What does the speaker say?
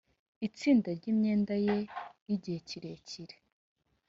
itsinda ry imyenda ye y igihe kirekire